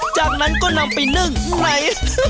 จากนั้นก็นำไปนึ่งไหน